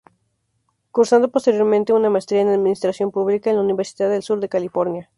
Cursando posteriormente una maestría en Administración Pública en la Universidad del Sur de California.